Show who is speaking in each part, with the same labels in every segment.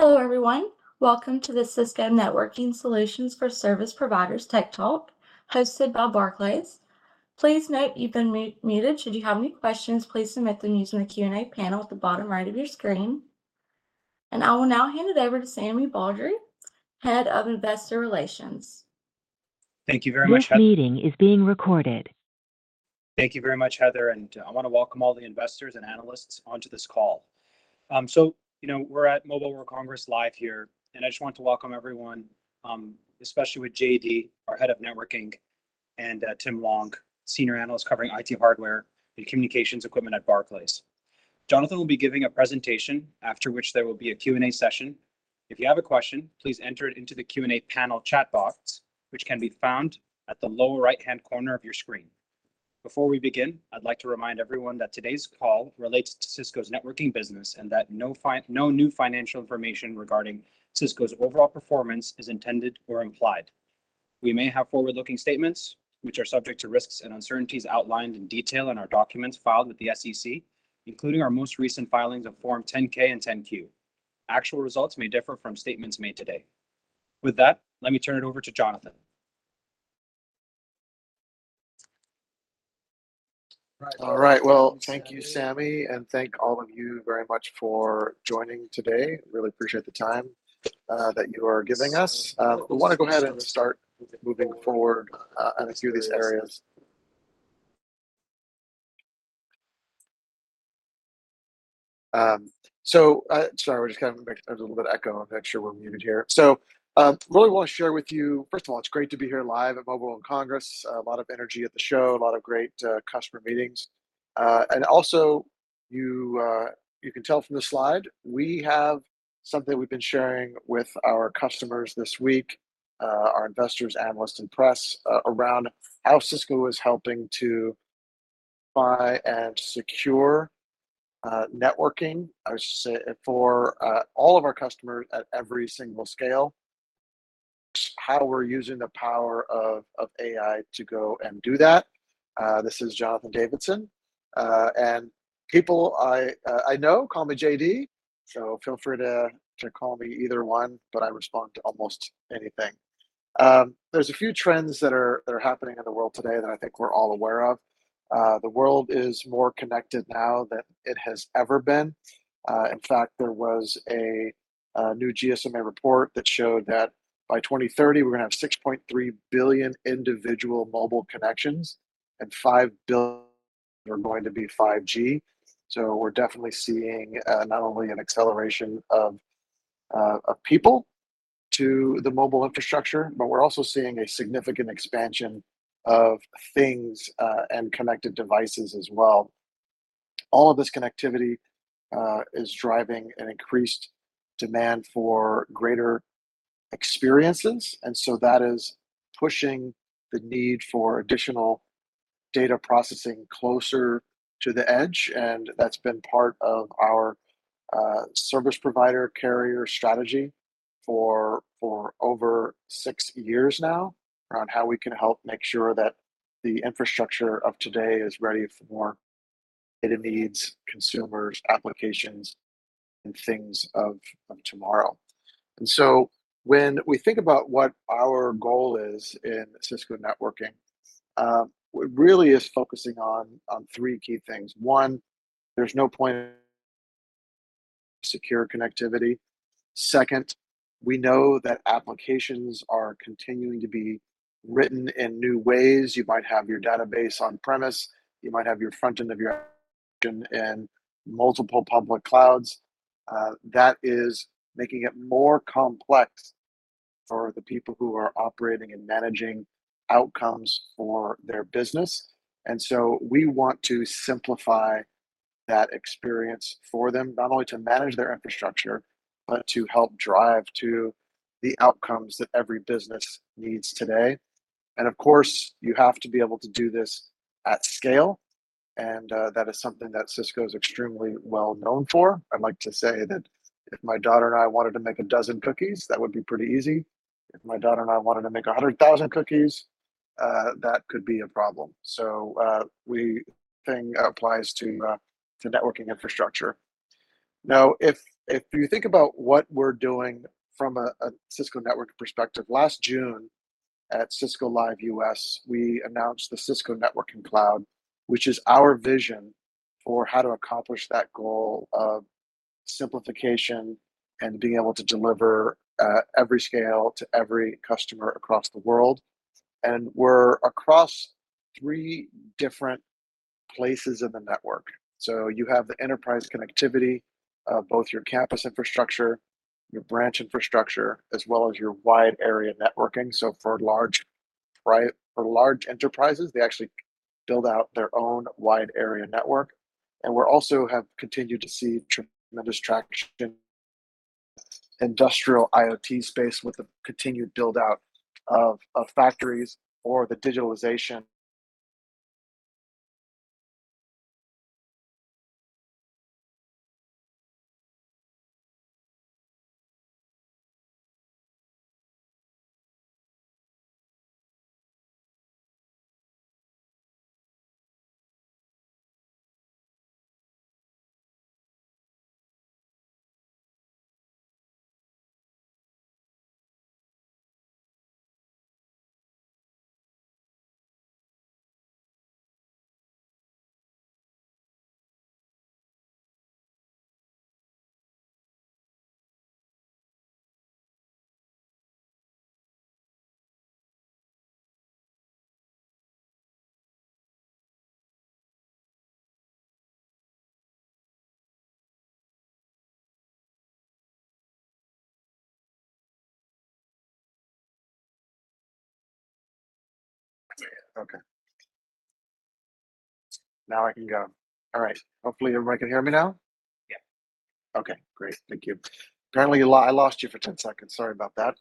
Speaker 1: Hello everyone. Welcome to the Cisco Networking Solutions for Service Providers Tech Talk, hosted by Barclays. Please note you've been muted. Should you have any questions, please submit them using the Q&A panel at the bottom right of your screen. I will now hand it over to Sami Badri, Head of Investor Relations.
Speaker 2: Thank you very much, Heather. This meeting is being recorded. Thank you very much, Heather, and I want to welcome all the investors and analysts onto this call. So, you know, we're at Mobile World Congress Live here, and I just want to welcome everyone, especially with JD, our Head of Networking, and Tim Long, Senior Analyst, covering IT hardware and communications equipment at Barclays. Jonathan will be giving a presentation, after which there will be a Q&A session. If you have a question, please enter it into the Q&A panel chat box, which can be found at the lower right-hand corner of your screen. Before we begin, I'd like to remind everyone that today's call relates to Cisco's networking business, and that no new financial information regarding Cisco's overall performance is intended or implied. We may have forward-looking statements which are subject to risks and uncertainties outlined in detail in our documents filed with the SEC, including our most recent filings of Form 10-K and 10-Q. Actual results may differ from statements made today. With that, let me turn it over to Jonathan.
Speaker 3: All right. Well, thank you, Sami, and thank all of you very much for joining today. Really appreciate the time that you are giving us. I wanna go ahead and start moving forward on a few of these areas. Sorry, we're just kind of having a little bit of echo. I'll make sure we're muted here. Really want to share with you... First of all, it's great to be here live at Mobile World Congress. A lot of energy at the show, a lot of great customer meetings. And also, you can tell from the slide, we have something we've been sharing with our customers this week, our investors, analysts, and press, around how Cisco is helping to buy and secure, networking, I should say, for all of our customers at every single scale, how we're using the power of AI to go and do that. This is Jonathan Davidson. And people I know call me JD, so feel free to call me either one, but I respond to almost anything. There's a few trends that are happening in the world today that I think we're all aware of. The world is more connected now than it has ever been. In fact, there was a new GSMA report that showed that by 2030, we're gonna have 6.3 billion individual mobile connections, and 5 billion are going to be 5G. So we're definitely seeing not only an acceleration of people to the mobile infrastructure, but we're also seeing a significant expansion of things and connected devices as well. All of this connectivity is driving an increased demand for greater experiences, and so that is pushing the need for additional data processing closer to the edge, and that's been part of our service provider carrier strategy for over six years now, around how we can help make sure that the infrastructure of today is ready for more data needs, consumers, applications, and things of tomorrow. When we think about what our goal is in Cisco networking, it really is focusing on, on three key things. One, there's no point in secure connectivity. Second, we know that applications are continuing to be written in new ways. You might have your database on-premise, you might have your front end of your application and multiple public clouds. That is making it more complex for the people who are operating and managing outcomes for their business. We want to simplify that experience for them, not only to manage their infrastructure, but to help drive to the outcomes that every business needs today. Of course, you have to be able to do this at scale, and that is something that Cisco is extremely well known for. I'd like to say that if my daughter and I wanted to make a dozen cookies, that would be pretty easy. If my daughter and I wanted to make 100,000 cookies, that could be a problem. So, we think applies to networking infrastructure. Now, if you think about what we're doing from a Cisco networking perspective, last June at Cisco Live U.S., we announced the Cisco Networking Cloud, which is our vision for how to accomplish that goal of simplification and being able to deliver every scale to every customer across the world. And we're across three different places in the network. So you have the enterprise connectivity, both your campus infrastructure, your branch infrastructure, as well as your wide area networking. So for large, right, for large enterprises, they actually build out their own wide area network. And we're also have continued to see tremendous traction in industrial IoT space with the continued build-out of, of factories or the digitalization...... Okay. Now I can go. All right. Hopefully, everybody can hear me now?
Speaker 1: Yeah.
Speaker 3: Okay, great. Thank you. Apparently, I lost you for 10 seconds. Sorry about that.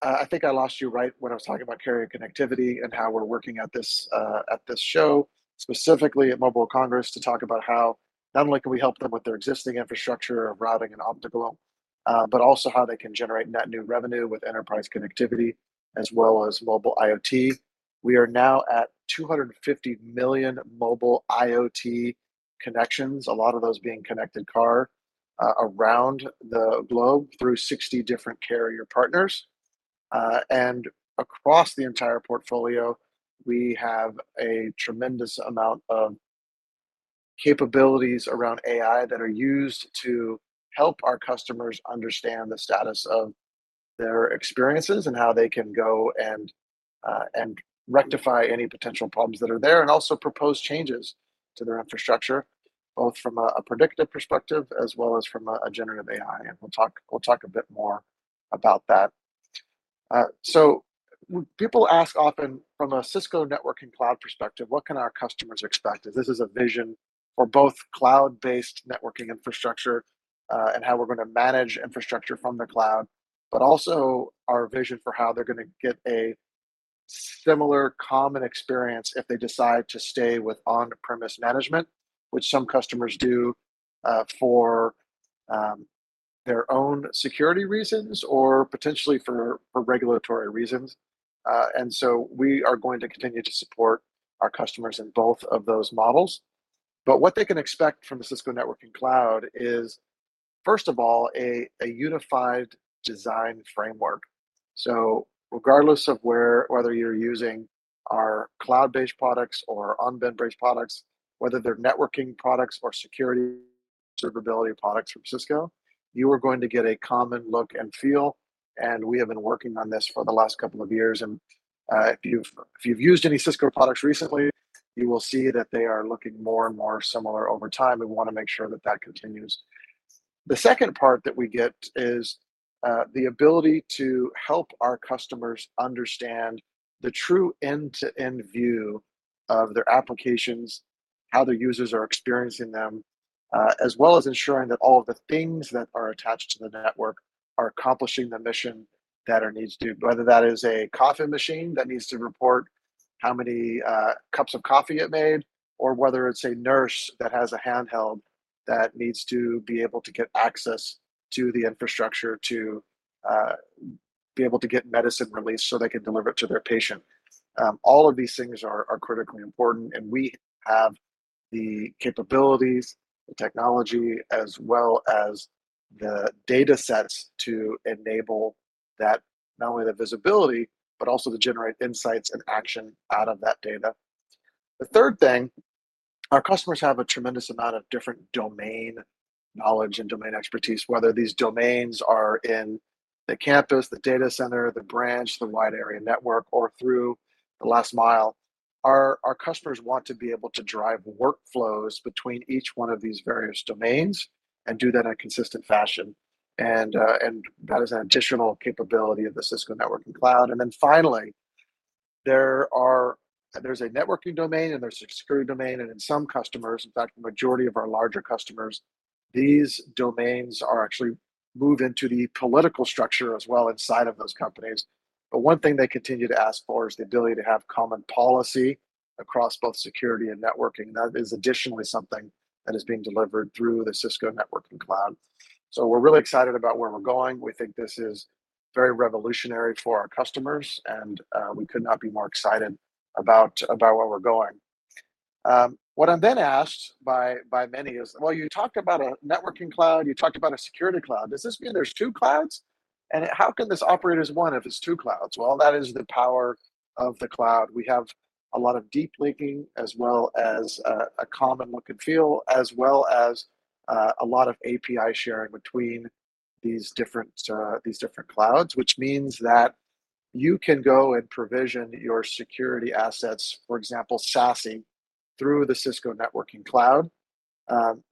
Speaker 3: I think I lost you right when I was talking about carrier connectivity and how we're working at this, at this show, specifically at Mobile Congress, to talk about how not only can we help them with their existing infrastructure of routing and optical, but also how they can generate net new revenue with enterprise connectivity as well as mobile IoT. We are now at 250 million mobile IoT connections, a lot of those being connected car around the globe through 60 different carrier partners. Across the entire portfolio, we have a tremendous amount of capabilities around AI that are used to help our customers understand the status of their experiences and how they can go and and rectify any potential problems that are there, and also propose changes to their infrastructure, both from a predictive perspective as well as from a generative AI. We'll talk, we'll talk a bit more about that. People ask often from a Cisco Networking Cloud perspective, what can our customers expect? If this is a vision for both cloud-based networking infrastructure, and how we're gonna manage infrastructure from the cloud, but also our vision for how they're gonna get a similar common experience if they decide to stay with on-premises management, which some customers do, for their own security reasons or potentially for regulatory reasons. And so we are going to continue to support our customers in both of those models. But what they can expect from the Cisco Networking Cloud is, first of all, a unified design framework. So regardless of where, whether you're using our cloud-based products or on-premise products, whether they're networking products or security, observability products from Cisco, you are going to get a common look and feel, and we have been working on this for the last couple of years. And if you've used any Cisco products recently, you will see that they are looking more and more similar over time. We wanna make sure that that continues. The second part that we get is, the ability to help our customers understand the true end-to-end view of their applications, how their users are experiencing them, as well as ensuring that all of the things that are attached to the network are accomplishing the mission that it needs to. Whether that is a coffee machine that needs to report how many, cups of coffee it made, or whether it's a nurse that has a handheld that needs to be able to get access to the infrastructure to, be able to get medicine released so they can deliver it to their patient. All of these things are critically important, and we have the capabilities, the technology, as well as the data sets to enable that, not only the visibility, but also to generate insights and action out of that data. The third thing, our customers have a tremendous amount of different domain knowledge and domain expertise. Whether these domains are in the campus, the data center, the branch, the wide area network, or through the last mile, our customers want to be able to drive workflows between each one of these various domains and do that in a consistent fashion. And that is an additional capability of the Cisco Networking Cloud. And then finally, there's a networking domain, and there's a security domain, and in some customers, in fact, the majority of our larger customers, these domains are actually moved into the political structure as well inside of those companies. But one thing they continue to ask for is the ability to have common policy across both security and networking. That is additionally something that is being delivered through the Cisco Networking Cloud. So we're really excited about where we're going. We think this is very revolutionary for our customers, and we could not be more excited about where we're going. What I'm then asked by many is: Well, you talked about a networking cloud, you talked about a security cloud. Does this mean there's two clouds? And how can this operate as one if it's two clouds? Well, that is the power of the cloud. We have a lot of deep linking, as well as a common look and feel, as well as a lot of API sharing between these different clouds, which means that you can go and provision your security assets, for example, SASE, through the Cisco Networking Cloud.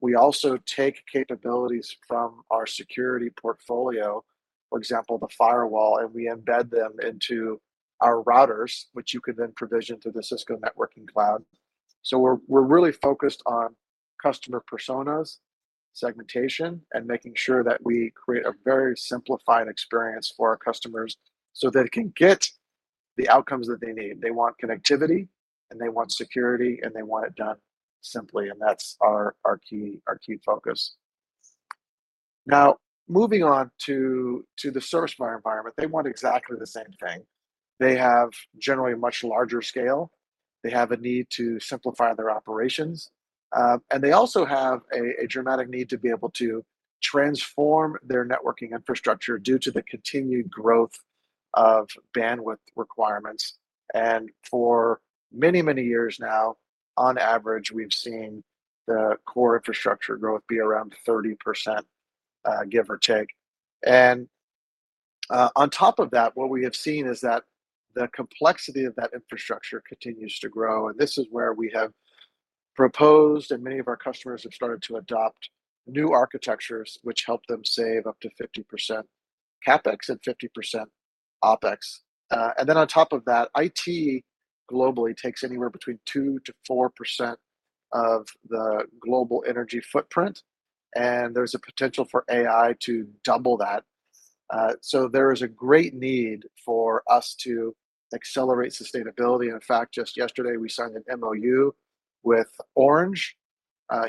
Speaker 3: We also take capabilities from our security portfolio, for example, the firewall, and we embed them into our routers, which you can then provision through the Cisco Networking Cloud. So we're really focused on customer personas, segmentation, and making sure that we create a very simplified experience for our customers so they can get the outcomes that they need. They want connectivity, and they want security, and they want it done simply, and that's our key focus. Now, moving on to the service provider environment, they want exactly the same thing. They have generally a much larger scale. They have a need to simplify their operations, and they also have a dramatic need to be able to transform their networking infrastructure due to the continued growth of bandwidth requirements. For many, many years now, on average, we've seen the core infrastructure growth be around 30%, give or take. On top of that, what we have seen is that the complexity of that infrastructure continues to grow, and this is where we have proposed, and many of our customers have started to adopt new architectures, which help them save up to 50% CapEx and 50% OpEx. Then on top of that, IT globally takes anywhere between 2%-4% of the global energy footprint, and there's a potential for AI to double that. So there is a great need for us to accelerate sustainability. And in fact, just yesterday, we signed an MOU with Orange,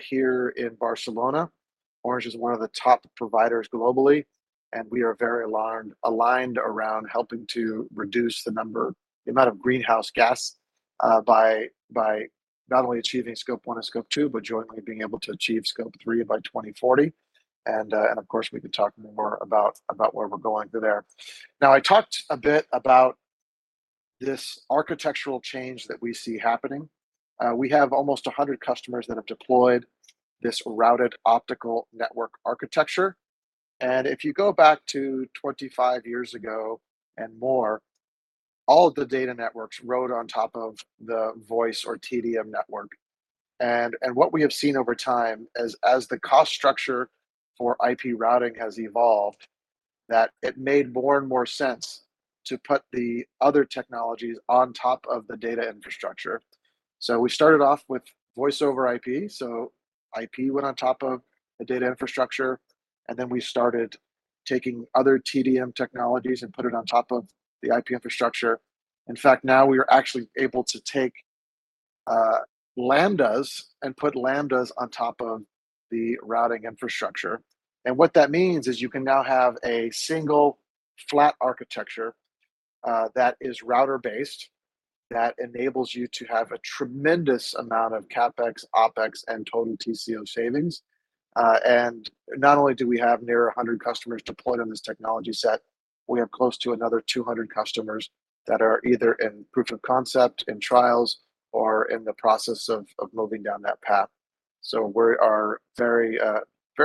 Speaker 3: here in Barcelona. Orange is one of the top providers globally, and we are very aligned, aligned around helping to reduce the number - the amount of greenhouse gas, by, by not only achieving Scope 1 and Scope 2, but jointly being able to achieve Scope 3 by 2040. And, and of course, we can talk more about, about where we're going there. Now, I talked a bit about this architectural change that we see happening. We have almost 100 customers that have deployed this routed optical network architecture. And if you go back to 25 years ago and more, all of the data networks rode on top of the voice or TDM network. And what we have seen over time as the cost structure for IP routing has evolved, that it made more and more sense to put the other technologies on top of the data infrastructure. So we started off with voice over IP, so IP went on top of the data infrastructure, and then we started taking other TDM technologies and put it on top of the IP infrastructure. In fact, now we are actually able to take lambdas and put lambdas on top of the routing infrastructure. And what that means is you can now have a single flat architecture that is router-based, that enables you to have a tremendous amount of CapEx, OpEx, and total TCO savings. And not only do we have near 100 customers deployed on this technology set, we have close to another 200 customers that are either in proof of concept, in trials, or in the process of moving down that path. So we are very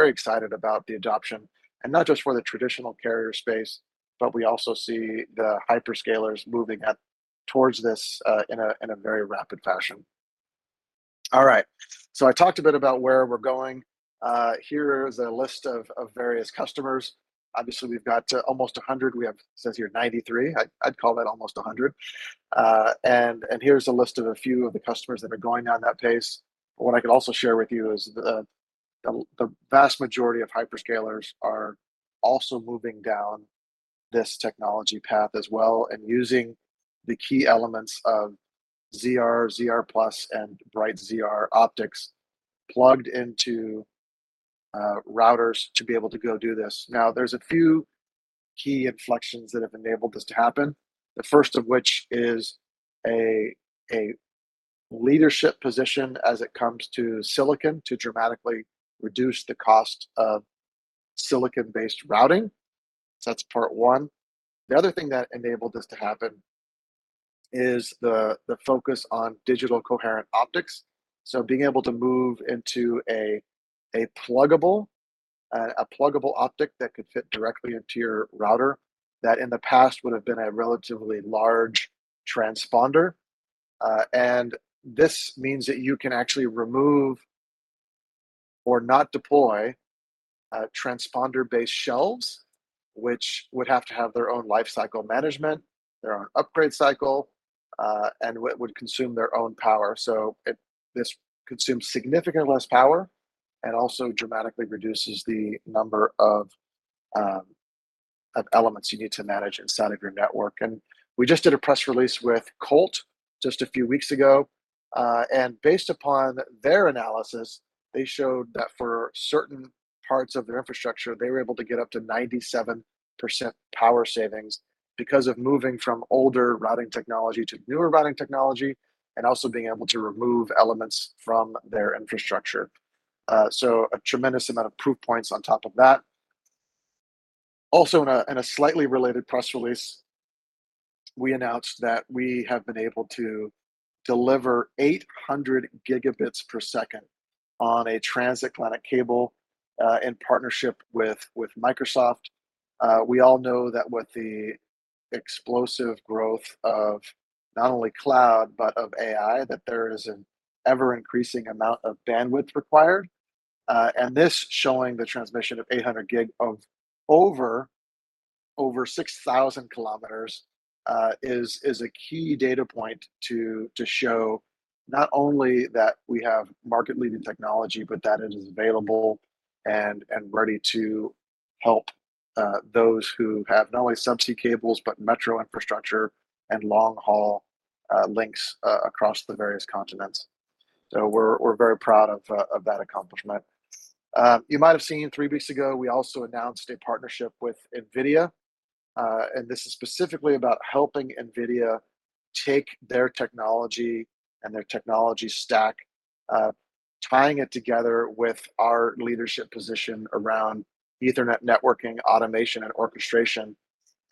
Speaker 3: excited about the adoption, and not just for the traditional carrier space, but we also see the hyperscalers moving up towards this in a very rapid fashion. All right, so I talked a bit about where we're going. Here is a list of various customers. Obviously, we've got almost 100. We have, it says here 93. I'd call that almost 100. And here's a list of a few of the customers that are going down that path. What I could also share with you is the vast majority of hyperscalers are also moving down this technology path as well, and using the key elements of ZR, ZR+, and Bright ZR optics plugged into routers to be able to go do this. Now, there's a few key inflections that have enabled this to happen, the first of which is a leadership position as it comes to silicon, to dramatically reduce the cost of silicon-based routing. So that's part one. The other thing that enabled this to happen is the focus on Digital Coherent Optics. So being able to move into a pluggable optic that could fit directly into your router, that in the past would have been a relatively large transponder. And this means that you can actually remove or not deploy transponder-based shelves, which would have to have their own lifecycle management, their own upgrade cycle, and would consume their own power. So this consumes significantly less power and also dramatically reduces the number of elements you need to manage inside of your network. And we just did a press release with Colt just a few weeks ago, and based upon their analysis, they showed that for certain parts of their infrastructure, they were able to get up to 97% power savings because of moving from older routing technology to newer routing technology, and also being able to remove elements from their infrastructure. So a tremendous amount of proof points on top of that. Also, in a slightly related press release, we announced that we have been able to deliver 800Gb per second on a transatlantic cable, in partnership with Microsoft. We all know that with the explosive growth of not only cloud, but of AI, that there is an ever-increasing amount of bandwidth required. And this showing the transmission of 800 gig of over 6,000 km is a key data point to show not only that we have market-leading technology, but that it is available and ready to help those who have not only subsea cables, but metro infrastructure and long-haul links across the various continents.... So we're very proud of that accomplishment. You might have seen three weeks ago, we also announced a partnership with NVIDIA, and this is specifically about helping NVIDIA take their technology and their technology stack, tying it together with our leadership position around Ethernet networking, automation, and orchestration,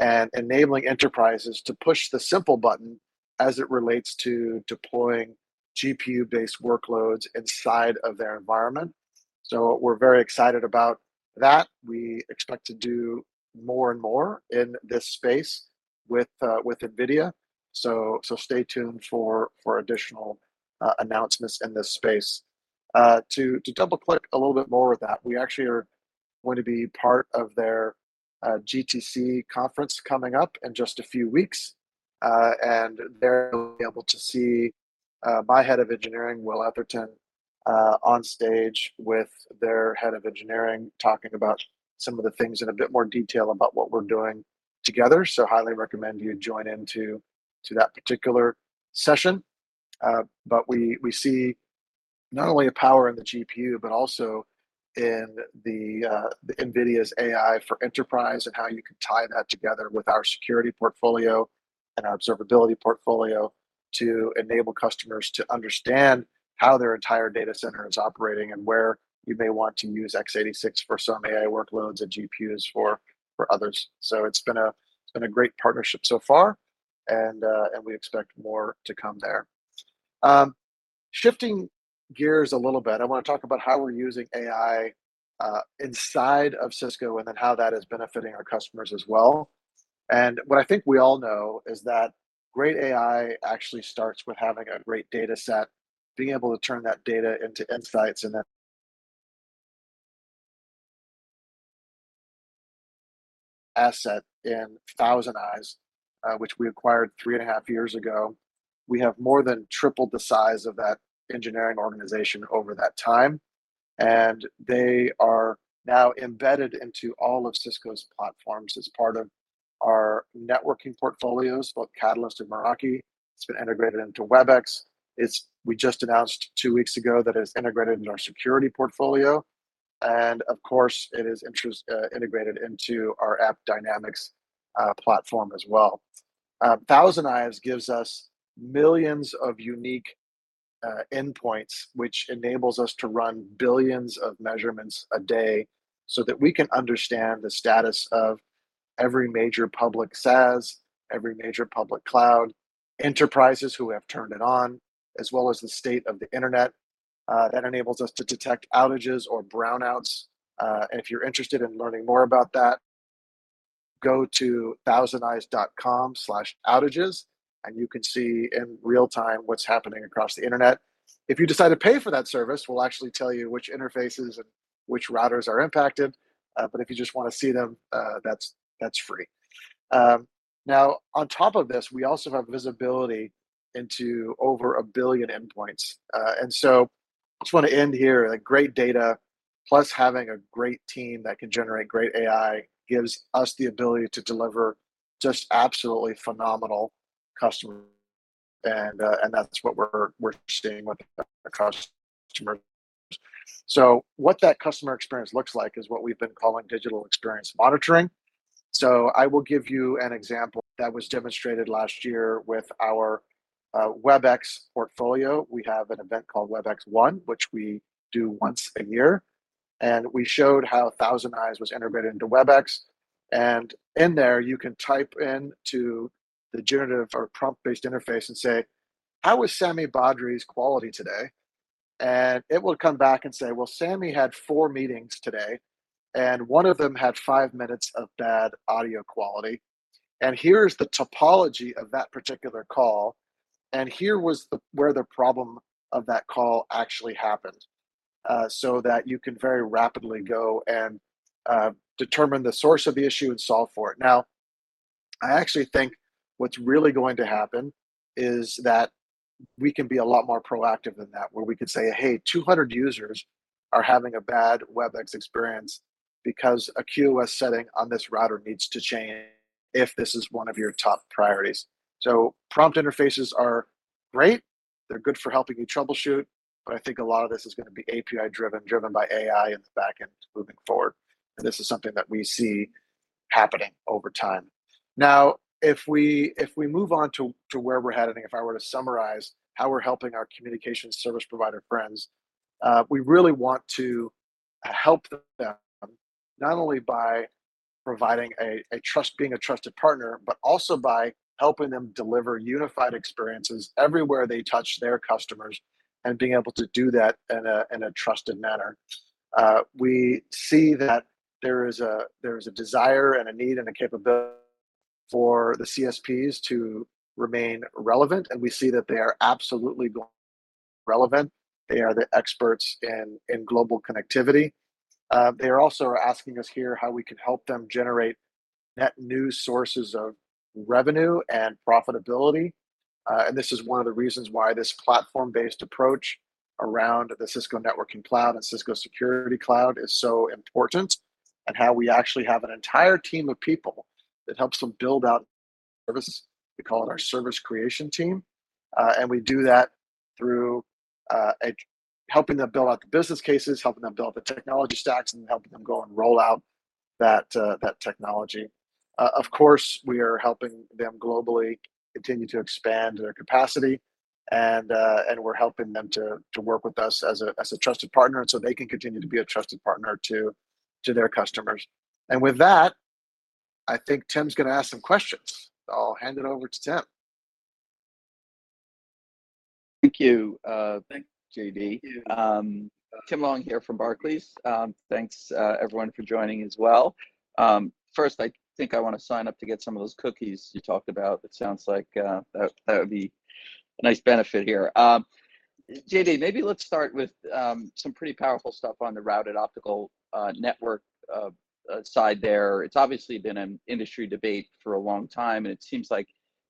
Speaker 3: and enabling enterprises to push the simple button as it relates to deploying GPU-based workloads inside of their environment. So we're very excited about that. We expect to do more and more in this space with, with NVIDIA. So, stay tuned for, for additional, announcements in this space. To, double-click a little bit more of that, we actually are going to be part of their, GTC conference coming up in just a few weeks. And they'll be able to see, my head of engineering, Will Eatherton, on stage with their head of engineering, talking about some of the things in a bit more detail about what we're doing together. So highly recommend you join into to that particular session. But we, we see not only a power in the GPU, but also in the, NVIDIA's AI for enterprise and how you can tie that together with our security portfolio and our observability portfolio to enable customers to understand how their entire data center is operating, and where you may want to use x86 for some AI workloads and GPUs for, for others. So it's been a, it's been a great partnership so far, and, and we expect more to come there. Shifting gears a little bit, I wanna talk about how we're using AI inside of Cisco and then how that is benefiting our customers as well. What I think we all know is that great AI actually starts with having a great data set, being able to turn that data into insights, and then asset in ThousandEyes, which we acquired 3.5 years ago. We have more than tripled the size of that engineering organization over that time, and they are now embedded into all of Cisco's platforms as part of our networking portfolios, both Catalyst and Meraki. It's been integrated into Webex. We just announced two weeks ago that it's integrated in our security portfolio, and of course, it is integrated into our AppDynamics platform as well. ThousandEyes gives us millions of unique endpoints, which enables us to run billions of measurements a day, so that we can understand the status of every major public SaaS, every major public cloud, enterprises who have turned it on, as well as the state of the internet. That enables us to detect outages or brownouts. And if you're interested in learning more about that, go to thousandeyes.com/outages, and you can see in real time what's happening across the internet. If you decide to pay for that service, we'll actually tell you which interfaces and which routers are impacted. But if you just wanna see them, that's, that's free. Now, on top of this, we also have visibility into over 1 billion endpoints. And so I just wanna end here, like great data, plus having a great team that can generate great AI, gives us the ability to deliver just absolutely phenomenal customer, and that's what we're seeing with our customer. So what that customer experience looks like is what we've been calling digital experience monitoring. So I will give you an example that was demonstrated last year with our Webex portfolio. We have an event called Webex One, which we do once a year, and we showed how ThousandEyes was integrated into Webex. And in there, you can type in to the generative or prompt-based interface and say, "How is Sami Badri's quality today?" And it will come back and say, "Well, Sami had four meetings today, and one of them had five minutes of bad audio quality. Here's the topology of that particular call, and here was the, where the problem of that call actually happened. So that you can very rapidly go and determine the source of the issue and solve for it. Now, I actually think what's really going to happen is that we can be a lot more proactive than that, where we could say, "Hey, 200 users are having a bad Webex experience because a QoS setting on this router needs to change if this is one of your top priorities." So prompt interfaces are great, they're good for helping you troubleshoot, but I think a lot of this is gonna be API-driven, driven by AI in the back end moving forward, and this is something that we see happening over time. Now, if we move on to where we're heading, if I were to summarize how we're helping our communication service provider friends, we really want to help them, not only by providing a trusted partner, but also by helping them deliver unified experiences everywhere they touch their customers, and being able to do that in a trusted manner. We see that there is a desire and a need and a capability for the CSPs to remain relevant, and we see that they are absolutely relevant. They are the experts in global connectivity. They are also asking us here how we can help them generate net new sources of revenue and profitability. and this is one of the reasons why this platform-based approach around the Cisco Networking Cloud and Cisco Security Cloud is so important, and how we actually have an entire team of people that helps them build out services. We call it our service creation team, and we do that through helping them build out the business cases, helping them build the technology stacks, and helping them go and roll out that technology. Of course, we are helping them globally continue to expand their capacity, and we're helping them to work with us as a trusted partner, and so they can continue to be a trusted partner to their customers. And with that, I think Tim's gonna ask some questions. I'll hand it over to Tim.
Speaker 4: Thank you, thank you, JD.
Speaker 3: Yeah.
Speaker 4: Tim Long here from Barclays. Thanks, everyone, for joining as well. First, I think I wanna sign up to get some of those cookies you talked about. It sounds like that would be a nice benefit here. JD, maybe let's start with some pretty powerful stuff on the routed optical network side there. It's obviously been an industry debate for a long time, and it seems like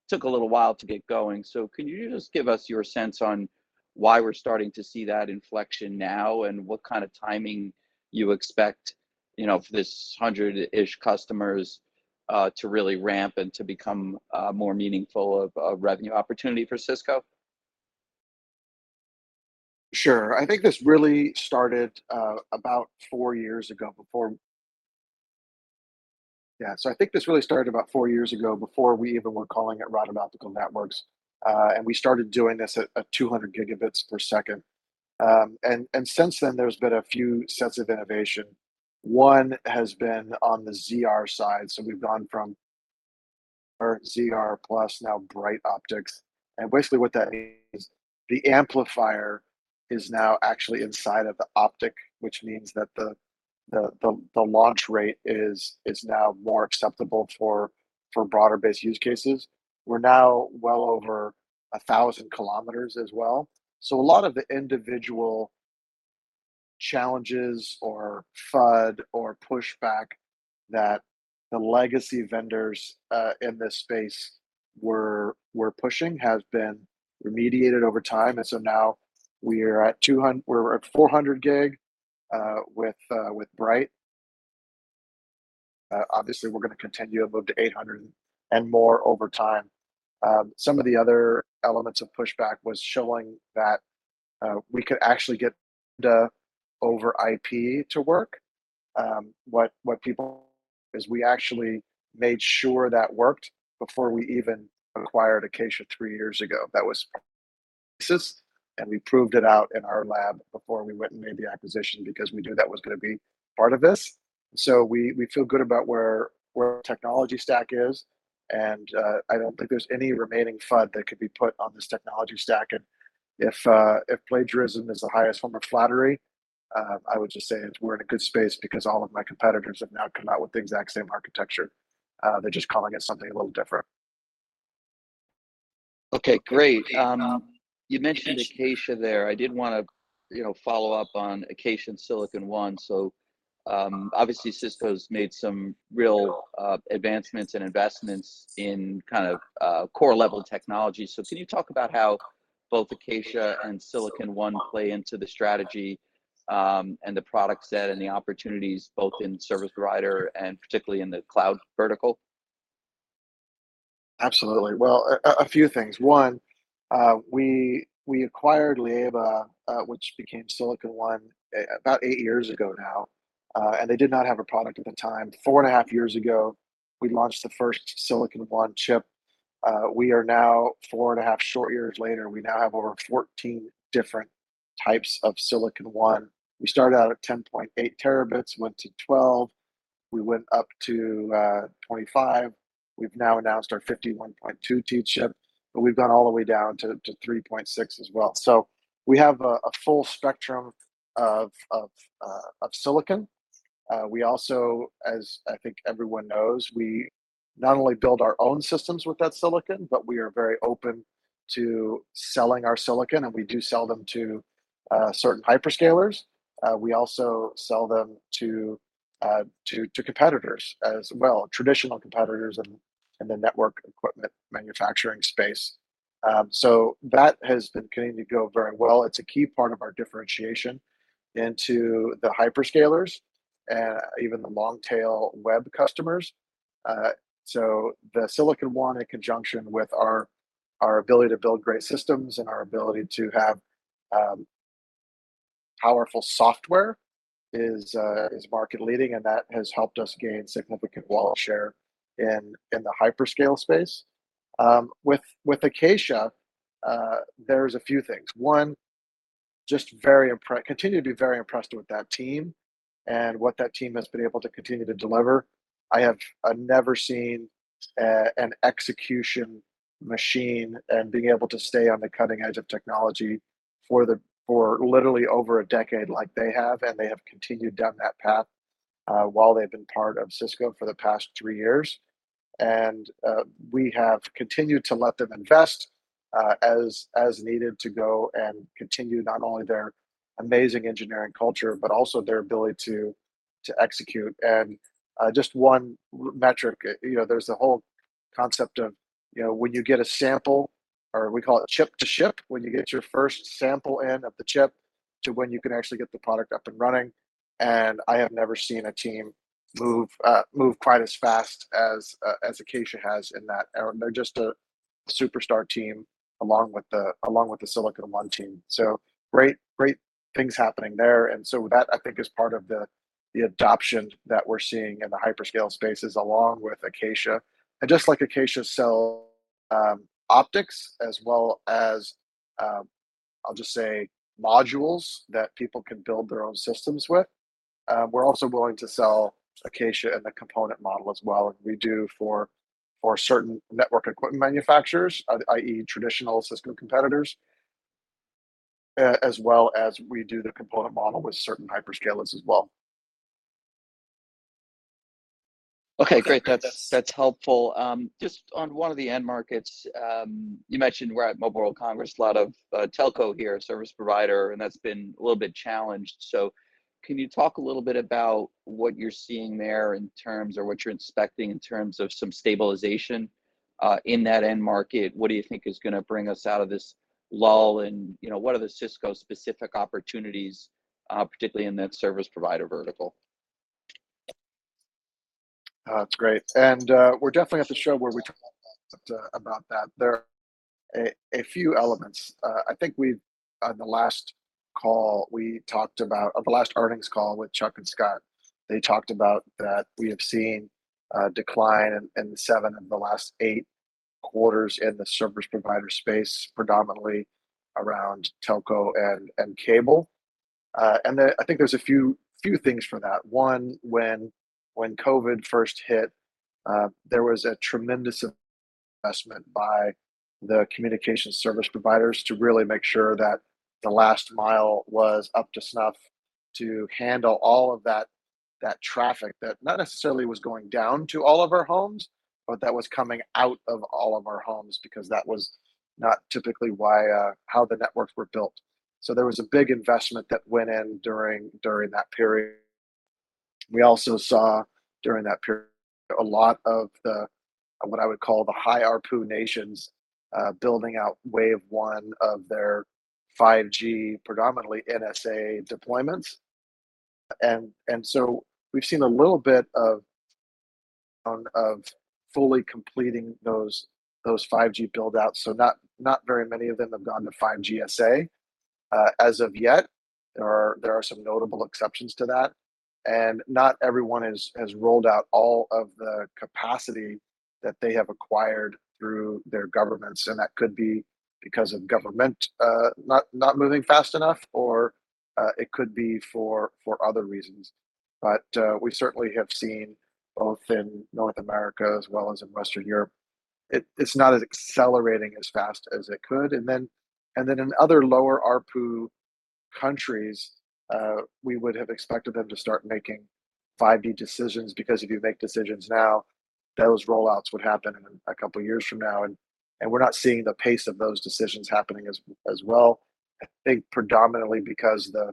Speaker 4: took a little while to get going. So can you just give us your sense on why we're starting to see that inflection now, and what kind of timing you expect, you know, for this 100-ish customers to really ramp and to become more meaningful of revenue opportunity for Cisco?
Speaker 3: Sure. I think this really started about four years ago before we even were calling it routed optical networks. And we started doing this at 200Gb per second. And since then, there's been a few sets of innovation. One has been on the ZR side, so we've gone from ZR plus, now bright optics. And basically what that means is the amplifier is now actually inside of the optic, which means that the launch rate is now more acceptable for broader base use cases. We're now well over 1,000 km as well. So a lot of the individual challenges or FUD or pushback that the legacy vendors in this space were pushing has been remediated over time, and so now we're at 400 gig with Bright. Obviously, we're gonna continue and move to 800 and more over time. Some of the other elements of pushback was showing that we could actually get the over IP to work. Is, we actually made sure that worked before we even acquired Acacia three years ago. That was, and we proved it out in our lab before we went and made the acquisition because we knew that was gonna be part of this. So we, we feel good about where, where our technology stack is, and, I don't think there's any remaining FUD that could be put on this technology stack. And if, if plagiarism is the highest form of flattery, I would just say we're in a good space because all of my competitors have now come out with the exact same architecture. They're just calling it something a little different. Okay, great. You mentioned Acacia there. I did wanna, you know, follow up on Acacia Silicon One. So, obviously, Cisco's made some real advancements and investments in kind of core level technology. So can you talk about how both Acacia and Silicon One play into the strategy, and the product set and the opportunities both in service provider and particularly in the cloud vertical? Absolutely. Well, a few things. One, we acquired Leaba, which became Silicon One, about eight years ago now, and they did not have a product at the time. 4.5 years ago, we launched the first Silicon One chip. We are now, 4.5 short years later, we now have over 14 different types of Silicon One. We started out at 10.8 Tb, went to 12, we went up to 25. We've now announced our 51.2 T chip, but we've gone all the way down to 3.6 as well. So we have a full spectrum of silicon. We also, as I think everyone knows, we not only build our own systems with that silicon, but we are very open to selling our silicon, and we do sell them to certain hyperscalers. We also sell them to competitors as well, traditional competitors in the network equipment manufacturing space. So that has been continuing to go very well. It's a key part of our differentiation into the hyperscalers, and even the long tail web customers. So the Silicon One, in conjunction with our ability to build great systems and our ability to have powerful software, is market leading, and that has helped us gain significant wallet share in the hyperscale space. With Acacia, there's a few things. Continue to be very impressed with that team and what that team has been able to continue to deliver. I have never seen an execution machine and being able to stay on the cutting edge of technology for literally over a decade like they have, and they have continued down that path while they've been part of Cisco for the past three years. We have continued to let them invest as needed to go and continue not only their amazing engineering culture, but also their ability to execute. Just one metric, you know, there's the whole concept of, you know, when you get a sample, or we call it chip to ship, when you get your first sample in of the chip-... to when you can actually get the product up and running, and I have never seen a team move, move quite as fast as, as Acacia has in that area. They're just a superstar team, along with the, along with the Silicon One team. So great, great things happening there. And so that, I think, is part of the, the adoption that we're seeing in the hyperscale spaces, along with Acacia. And just like Acacia sell, optics as well as, I'll just say modules that people can build their own systems with, we're also going to sell Acacia in the component model as well, like we do for, for certain network equipment manufacturers, i.e., traditional Cisco competitors, as well as we do the component model with certain hyperscalers as well.
Speaker 4: Okay, great. That's, that's helpful. Just on one of the end markets, you mentioned we're at Mobile World Congress, a lot of telco here, service provider, and that's been a little bit challenged. So can you talk a little bit about what you're seeing there in terms of what you're expecting in terms of some stabilization in that end market? What do you think is gonna bring us out of this lull, and, you know, what are the Cisco-specific opportunities, particularly in that service provider vertical?
Speaker 3: That's great. And we're definitely at the show where we talk about that. There are a few elements. I think we've, on the last call, we talked about... On the last earnings call with Chuck and Scott, they talked about that we have seen a decline in seven of the last eight quarters in the service provider space, predominantly around telco and cable. And then I think there's a few things for that. One, when COVID first hit, there was a tremendous investment by the communication service providers to really make sure that the last mile was up to snuff to handle all of that, that traffic, that not necessarily was going down to all of our homes, but that was coming out of all of our homes, because that was not typically why, how the networks were built. So there was a big investment that went in during that period. We also saw, during that period, a lot of the, what I would call the high ARPU nations, building out wave one of their 5G, predominantly NSA deployments. And so we've seen a little bit of fully completing those 5G build-outs, so not very many of them have gone to 5G SA as of yet. There are some notable exceptions to that, and not everyone has rolled out all of the capacity that they have acquired through their governments, and that could be because of government not moving fast enough, or it could be for other reasons. But we certainly have seen, both in North America as well as in Western Europe, it's not accelerating as fast as it could. And then in other lower ARPU countries, we would have expected them to start making 5G decisions, because if you make decisions now, those rollouts would happen in a couple of years from now, and we're not seeing the pace of those decisions happening as well. I think predominantly because the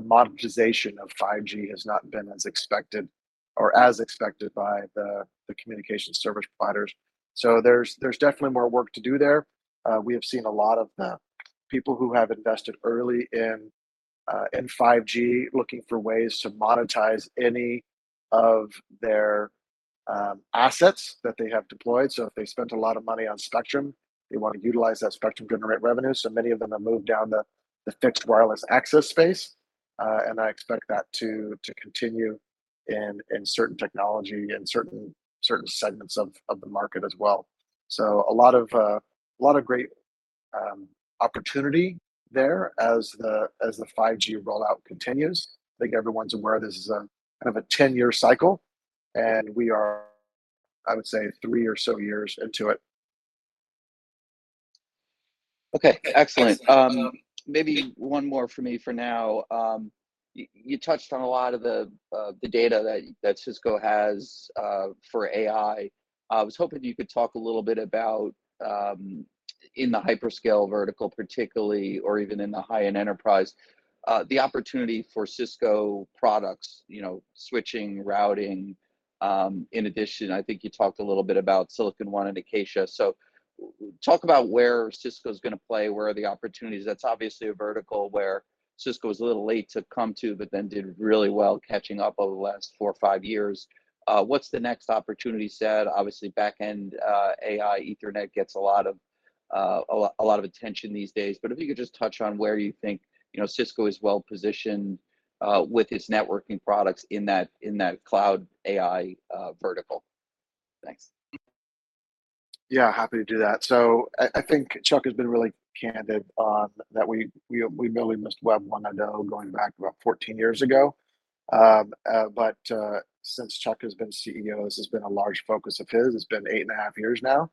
Speaker 3: monetization of 5G has not been as expected or as expected by the communication service providers. So there's definitely more work to do there. We have seen a lot of the people who have invested early in 5G, looking for ways to monetize any of their assets that they have deployed. So if they spent a lot of money on spectrum, they want to utilize that spectrum to generate revenue. So many of them have moved down the fixed wireless access space, and I expect that to continue in certain technology, in certain segments of the market as well. So a lot of great opportunity there as the 5G rollout continues. I think everyone's aware this is a kind of a ten-year cycle, and we are, I would say, three or so years into it.
Speaker 4: Okay, excellent. Maybe one more for me for now. You touched on a lot of the data that Cisco has for AI. I was hoping you could talk a little bit about in the hyperscale vertical, particularly, or even in the high-end enterprise, the opportunity for Cisco products, you know, switching, routing. In addition, I think you talked a little bit about Silicon One and Acacia. So talk about where Cisco is gonna play, where are the opportunities? That's obviously a vertical where Cisco was a little late to come to, but then did really well catching up over the last four or five years. What's the next opportunity set? Obviously, backend AI Ethernet gets a lot of attention these days. If you could just touch on where you think, you know, Cisco is well positioned with its networking products in that, in that cloud AI vertical. Thanks.
Speaker 3: Yeah, happy to do that. So I think Chuck has really candid on that we really missed Web 1.0 going back about 14 years ago. But since Chuck has been CEO, this has been a large focus of his. It's been 8.5 years now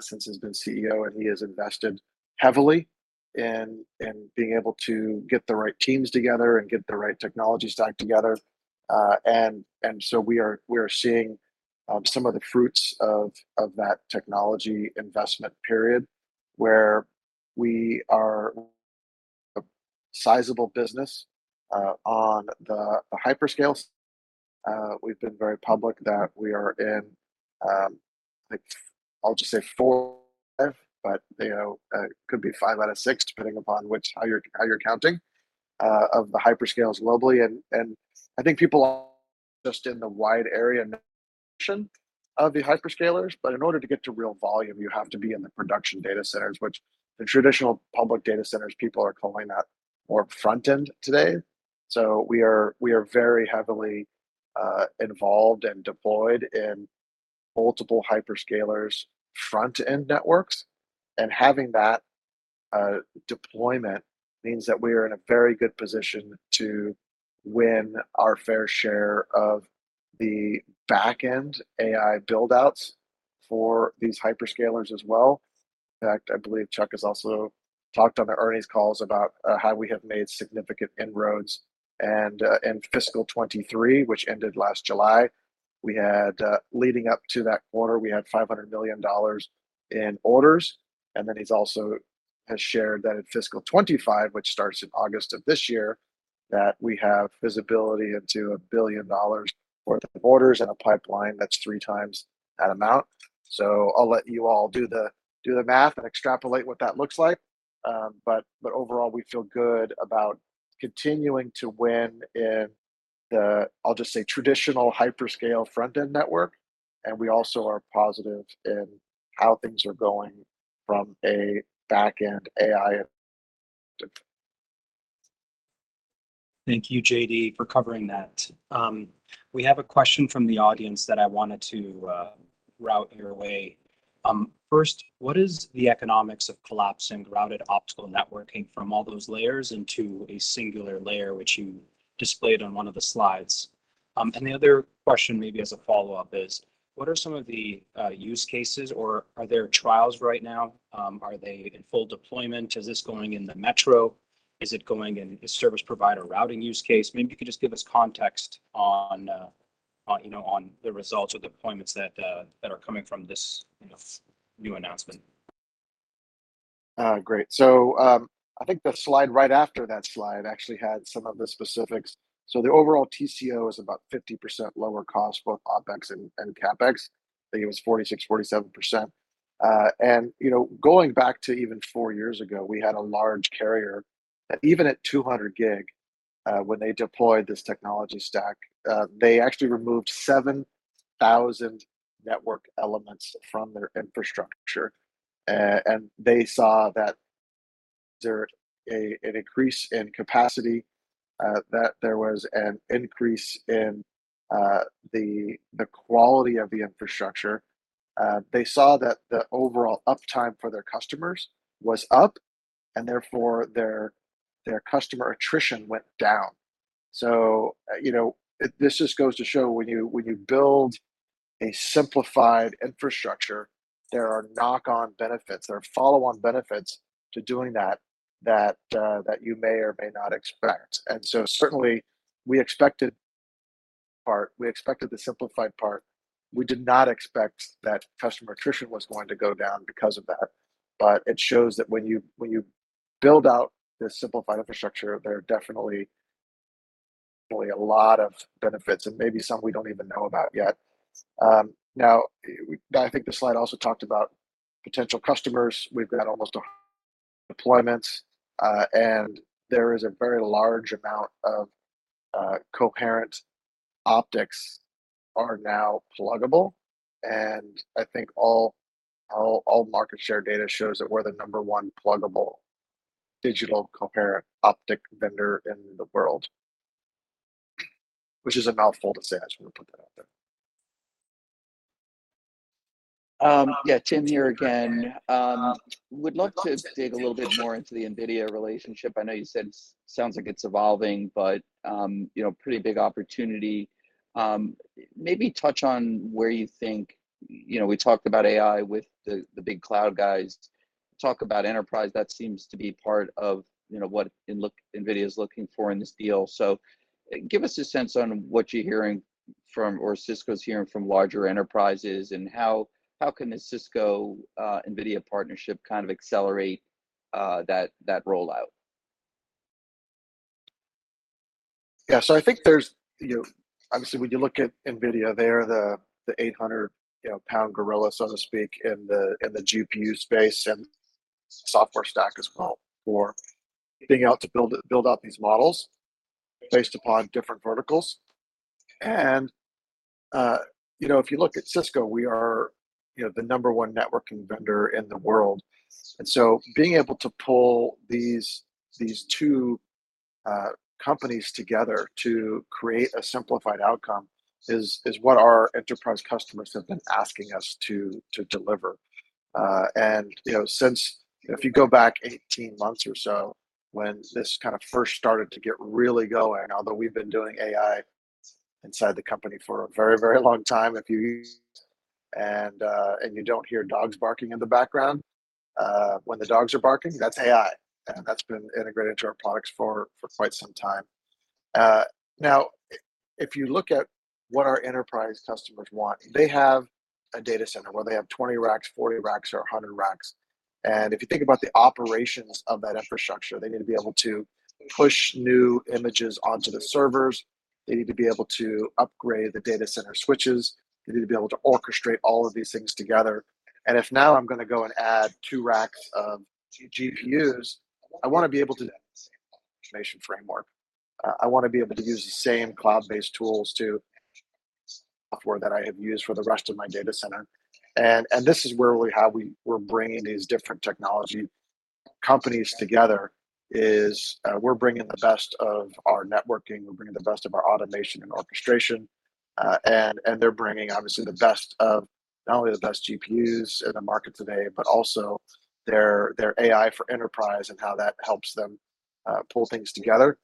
Speaker 3: since he's been CEO, and he has invested heavily in being able to get the right teams together and get the right technology stack together. And so we are seeing some of the fruits of that technology investment period, where we are a sizable business on the hyperscalers. We've been very public that we are in, like, I'll just say four, but you know, could be five out of six, depending upon which, how you're counting, of the hyperscalers globally. I think people are just in the wide area of the hyperscalers, but in order to get to real volume, you have to be in the production data centers, which the traditional public data centers people are calling that more front end today. So we are very heavily involved and deployed in multiple hyperscalers front-end networks. And having that deployment means that we are in a very good position to win our fair share of the back-end AI build-outs for these hyperscalers as well. In fact, I believe Chuck has also talked on the earnings calls about how we have made significant inroads. In fiscal 2023, which ended last July, leading up to that quarter, we had $500 million in orders. And then he has also shared that in fiscal 2025, which starts in August of this year, that we have visibility into $1 billion worth of orders and a pipeline that's three times that amount. So I'll let you all do the math and extrapolate what that looks like. But overall, we feel good about continuing to win in the, I'll just say, traditional hyperscale front-end network, and we also are positive in how things are going from a back-end AI.
Speaker 2: Thank you, JD, for covering that. We have a question from the audience that I wanted to route your way. First, what is the economics of collapsing Routed Optical Networking from all those layers into a singular layer, which you displayed on one of the slides? The other question, maybe as a follow-up, is: What are some of the use cases, or are there trials right now? Are they in full deployment? Is this going in the metro? Is it going in a service provider routing use case? Maybe you could just give us context on, you know, on the results or the deployments that are coming from this, you know, new announcement.
Speaker 3: Great. So, I think the slide right after that slide actually had some of the specifics. So the overall TCO is about 50% lower cost, both OpEx and CapEx. I think it was 46%-47%. And, you know, going back to even four years ago, we had a large carrier that even at 200 gig, when they deployed this technology stack, they actually removed 7,000 network elements from their infrastructure. And they saw that there an increase in capacity, that there was an increase in the quality of the infrastructure. They saw that the overall uptime for their customers was up, and therefore, their customer attrition went down. So, you know, this just goes to show when you, when you build a simplified infrastructure, there are knock-on benefits, there are follow-on benefits to doing that, that you may or may not expect. And so certainly we expected part, we expected the simplified part. We did not expect that customer attrition was going to go down because of that. But it shows that when you, when you build out this simplified infrastructure, there are definitely a lot of benefits, and maybe some we don't even know about yet. Now, I think the slide also talked about potential customers. We've got almost a deployments, and there is a very large amount of Coherent Optics are now pluggable, and I think all, all, all market share data shows that we're the number one pluggable Digital Coherent Optic vendor in the world, which is a mouthful to say. I just want to put that out there.
Speaker 4: Yeah, Tim here again. Would like to dig a little bit more into the NVIDIA relationship. I know you said sounds like it's evolving, but, you know, pretty big opportunity. Maybe touch on where you think, you know, we talked about AI with the, the big cloud guys. Talk about enterprise. That seems to be part of, you know, what, look, NVIDIA is looking for in this deal. So give us a sense on what you're hearing from, or Cisco is hearing from larger enterprises, and how, how can a Cisco, NVIDIA partnership kind of accelerate, that, that rollout?
Speaker 3: Yeah. So I think there's, you know, obviously, when you look at NVIDIA, they're the 800-pound gorilla, so to speak, in the GPU space and software stack as well for being able to build out these models based upon different verticals. And, you know, if you look at Cisco, we are, you know, the number one networking vendor in the world. And so being able to pull these two companies together to create a simplified outcome is what our enterprise customers have been asking us to deliver. And, you know, since... If you go back 18 months or so, when this kind of first started to get really going, although we've been doing AI inside the company for a very, very long time, if you use it, and, and you don't hear dogs barking in the background, when the dogs are barking, that's AI, and that's been integrated into our products for quite some time. Now, if you look at what our enterprise customers want, they have a data center where they have 20 racks, 40 racks, or 100 racks. And if you think about the operations of that infrastructure, they need to be able to push new images onto the servers. They need to be able to upgrade the data center switches. They need to be able to orchestrate all of these things together. And if now I'm going to go and add two racks of GPUs, I want to be able to information framework. I want to be able to use the same cloud-based tools to software that I have used for the rest of my data center. And this is where we're bringing these different technology companies together, is, we're bringing the best of our networking. We're bringing the best of our automation and orchestration. And they're bringing, obviously, the best of not only the best GPUs in the market today, but also their AI for enterprise and how that helps them pull things together.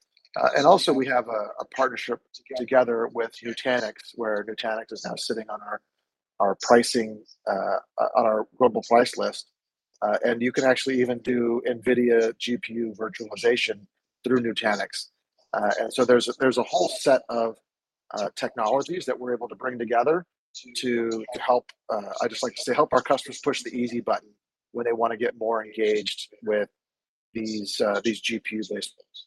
Speaker 3: And also we have a partnership together with Nutanix, where Nutanix is now sitting on our pricing, on our global price list. And you can actually even do NVIDIA GPU virtualization through Nutanix. And so there's a whole set of technologies that we're able to bring together to help. I'd just like to say, help our customers push the easy button when they want to get more engaged with these, these GPU-based tools.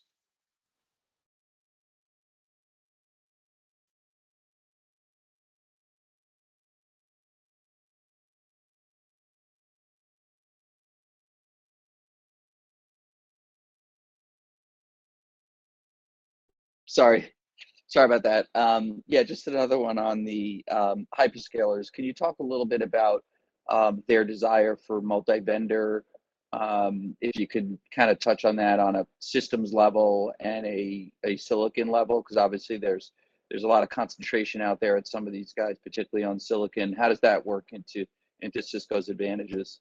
Speaker 4: Sorry. Sorry about that. Yeah, just another one on the hyperscalers. Can you talk a little bit about their desire for multi-vendor? If you could kind of touch on that on a systems level and a silicon level, 'cause obviously there's a lot of concentration out there at some of these guys, particularly on silicon. How does that work into Cisco's advantages?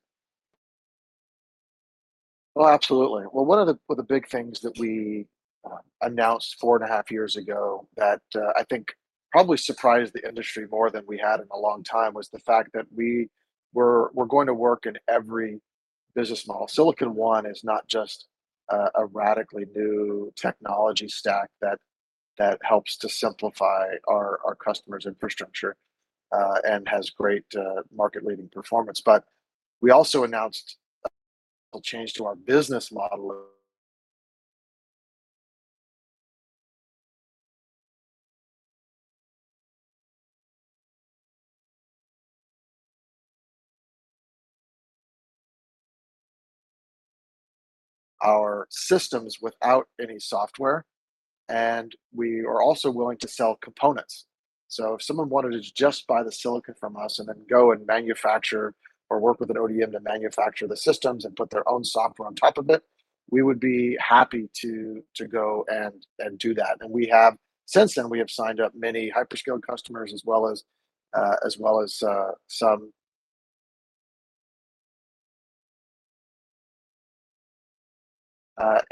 Speaker 3: Oh, absolutely. Well, one of the big things that we announced 4.5 years ago that I think probably surprised the industry more than we had in a long time was the fact that we're going to work in every business model. Silicon One is not just a radically new technology stack that helps to simplify our customers' infrastructure and has great market-leading performance. But we also announced a change to our business model. Our systems without any software, and we are also willing to sell components. So if someone wanted to just buy the silicon from us and then go and manufacture or work with an ODM to manufacture the systems and put their own software on top of it, we would be happy to go and do that. And we have... Since then, we have signed up many hyperscale customers as well as some,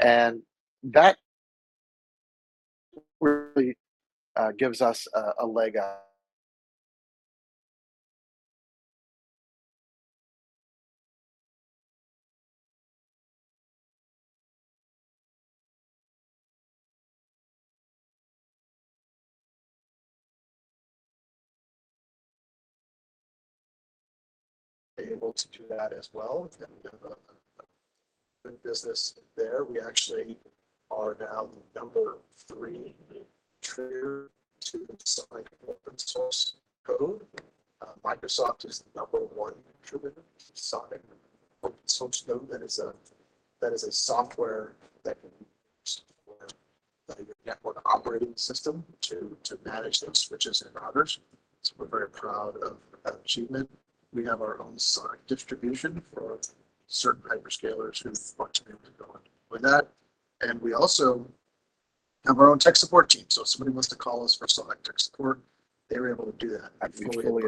Speaker 3: and that really gives us a leg up. Able to do that as well, and we have a good business there. We actually are now the number three contributor to open source code. Microsoft is the number one contributor. SONiC open source code, that is a software that can support your network operating system to manage those switches and routers. So we're very proud of that achievement. We have our own SONiC distribution for certain hyperscalers who want to move forward with that, and we also have our own tech support team. So if somebody wants to call us for SONiC tech support, they're able to do that. We fully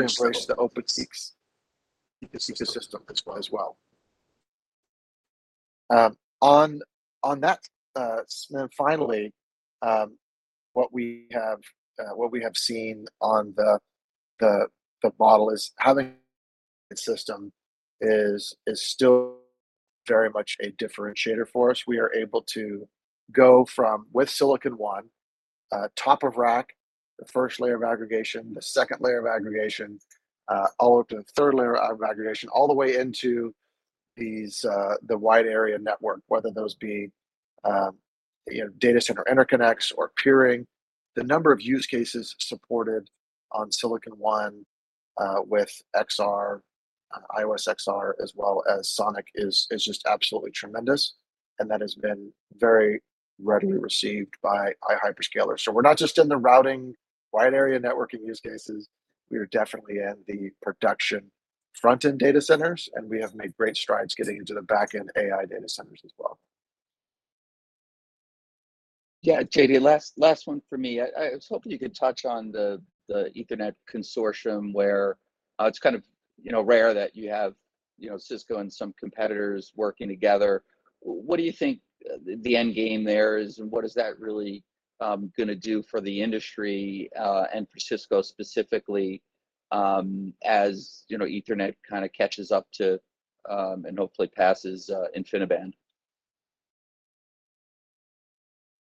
Speaker 3: embrace the open source ecosystem as well. On that, and finally, what we have seen on the model is having a system is still very much a differentiator for us. We are able to go from with Silicon One, top of rack, the first layer of aggregation, the second layer of aggregation, all up to the third layer of aggregation, all the way into the wide area network, whether those be, you know, data center interconnects or peering. The number of use cases supported on Silicon One, with IOS XR, as well as SONiC, is just absolutely tremendous, and that has been very readily received by our hyperscalers. We're not just in the routing wide area networking use cases, we are definitely in the production front-end data centers, and we have made great strides getting into the back-end AI data centers as well.
Speaker 4: Yeah, JD, last one for me. I was hoping you could touch on the Ultra Ethernet Consortium, where it's kind of, you know, rare that you have, you know, Cisco and some competitors working together. What do you think the end game there is, and what is that really going to do for the industry and for Cisco specifically, as you know, Ethernet kind of catches up to and hopefully passes InfiniBand?...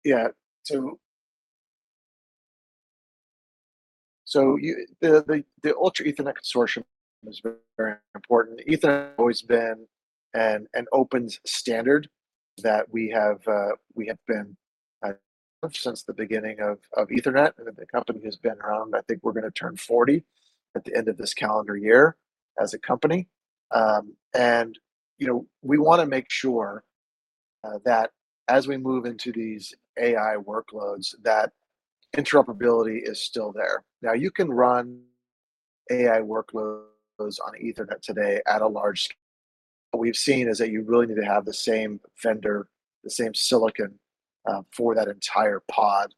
Speaker 3: Yeah, so the Ultra Ethernet Consortium is very, very important. Ethernet has always been an open standard that we have been since the beginning of Ethernet, and the company has been around. I think we're gonna turn 40 at the end of this calendar year as a company. And, you know, we wanna make sure that as we move into these AI workloads, that interoperability is still there. Now, you can run AI workloads on Ethernet today at a large- What we've seen is that you really need to have the same vendor, the same silicon, for that entire pod.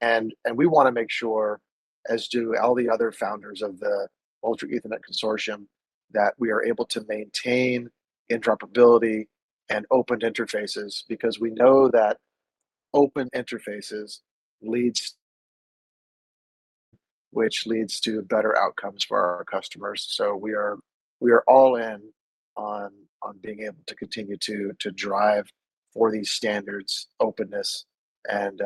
Speaker 3: And we wanna make sure, as do all the other founders of the Ultra Ethernet Consortium, that we are able to maintain interoperability and open interfaces, because we know that open interfaces leads, which leads to better outcomes for our customers. So we are all in on being able to continue to drive for these standards, openness, and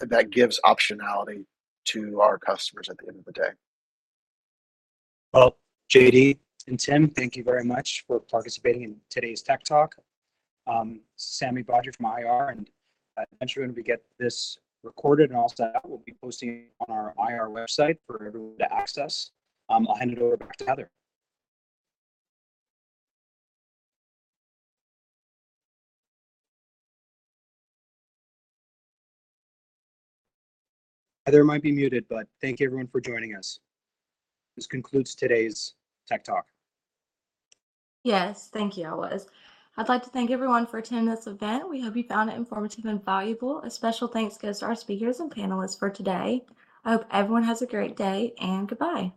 Speaker 3: that gives optionality to our customers at the end of the day.
Speaker 1: Well, JD and Tim, thank you very much for participating in today's Tech Talk. Sami Badri from IR, and, eventually, when we get this recorded and all set out, we'll be posting on our IR website for everyone to access. I'll hand it over to Heather. Heather might be muted, but thank you everyone for joining us. This concludes today's Tech Talk. Yes, thank you, Awaz. I'd like to thank everyone for attending this event. We hope you found it informative and valuable. A special thanks goes to our speakers and panelists for today. I hope everyone has a great day, and goodbye.